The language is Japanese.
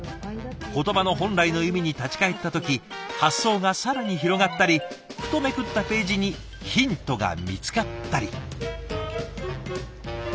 言葉の本来の意味に立ち返った時発想が更に広がったりふとめくったページにヒントが見つかったり。